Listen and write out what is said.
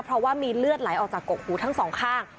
เพราะว่ามีเลือดไหลออกจากกกหูทั้งสองข้าง